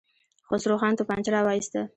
خسرو خان توپانچه را وايسته.